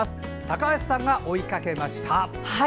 高橋さんが追いかけました。